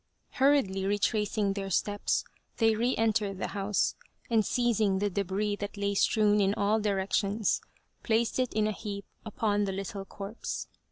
Hurriedly retracing their steps they re entered the house, and seizing the debris that lay strewn in all directions, placed it in a heap upon the little corpse.